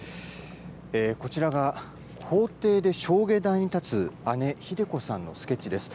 こちらは法廷で証言台に立つ姉、ひで子さんのスケッチです。